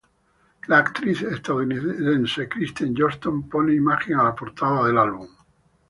La actriz estadounidense Kristen Johnston pone imagen a la portada del álbum.